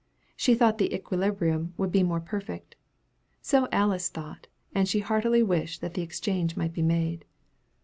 She thought the equilibrium would be more perfect. So Alice thought, and she heartily wished that the exchange might be made.